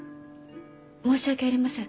申し訳ありません。